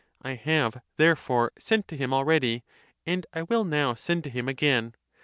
I have therefore sent to him already, and I will now send to him again.